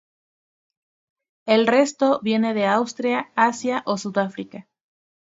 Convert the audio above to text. El resto viene de Australia, Asia o Sudáfrica.